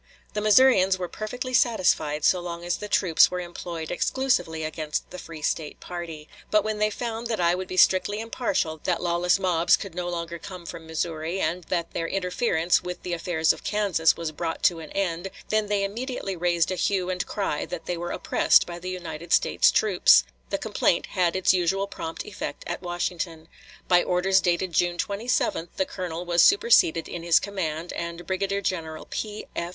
The Missourians were perfectly satisfied so long as the troops were employed exclusively against the free State party; but when they found that I would be strictly impartial, that lawless mobs could no longer come from Missouri, and that their interference with the affairs of Kansas was brought to an end, then they immediately raised a hue and cry that they were oppressed by the United States troops." The complaint had its usual prompt effect at Washington. By orders dated June 27 the colonel was superseded in his command, and Brigadier General P.F.